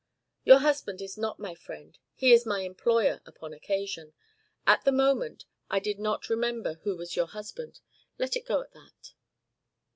"Your husband is not my friend; he is my employer upon occasion. At the moment I did not remember who was your husband. Let it go at that."